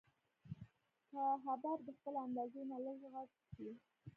که حباب د خپلې اندازې نه لږ غټ شي.